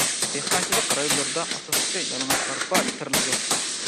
دېھقانچىلىق رايونلىرىدا ئاساسلىقى يالىڭاچ ئارپا تېرىلىدۇ.